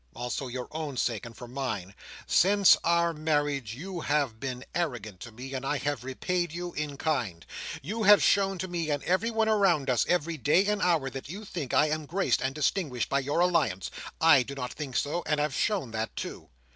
Also your own sake; and for mine. Since our marriage, you have been arrogant to me; and I have repaid you in kind. You have shown to me and everyone around us, every day and hour, that you think I am graced and distinguished by your alliance. I do not think so, and have shown that too.